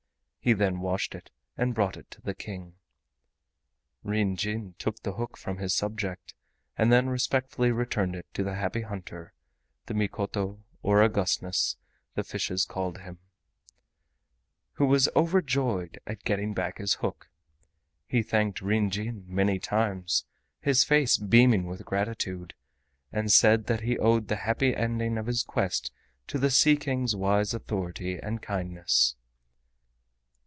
He then washed it and brought it to the King. Ryn Jin took the hook from his subject, and then respectfully returned it to the Happy Hunter (the Mikoto or Augustness, the fishes called him), who was overjoyed at getting back his hook. He thanked Ryn Jin many times, his face beaming with gratitude, and said that he owed the happy ending of his quest to the Sea King's wise authority and kindness.